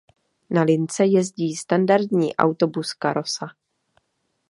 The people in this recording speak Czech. Na lince jezdí standardní autobus Karosa.